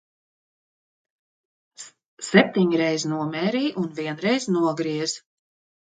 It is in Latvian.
Septiņreiz nomērī un vienreiz nogriez.